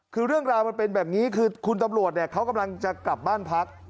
คือเรื่องราวมันเป็นแบบนี้คือคุณตำรวจเนี่ยเขากำลังจะกลับบ้านพัก